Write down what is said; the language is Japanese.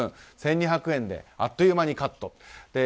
１０分１２００円であっという間にカット。